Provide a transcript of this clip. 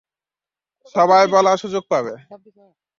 সবাই বলার সুযোগ পাবে!